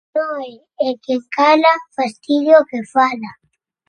[unintelligible] e que cala fastidia o que fala.